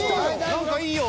何かいいよ。